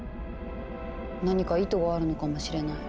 何か意図があるのかもしれない。